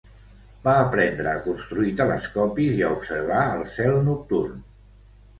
Va aprendre a construir telescopis i a observar el cel nocturn.